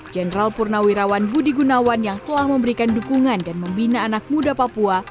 jenderal purnawirawan budi gunawan yang telah memberikan dukungan dan membina anak muda papua